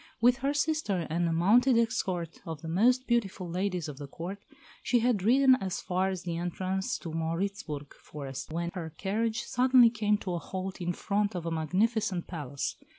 With her sister and a mounted escort of the most beautiful ladies of the Court, she had ridden as far as the entrance to the Mauritzburg forest, when her carriage suddenly came to a halt in front of a magnificent palace.